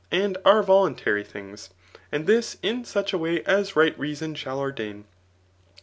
and are. voluntnf dungs, and this ift auoh a way as right reason shalloi^ daim.